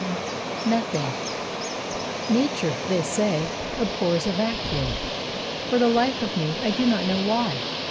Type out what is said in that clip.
VII NOTHING Nature, they say, abhors a vacuum. For the life of me, I do not know why.